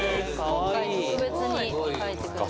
今回特別に描いてくれた。